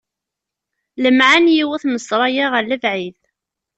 Lemmεen yiwet n ssṛaya ɣer lebεid.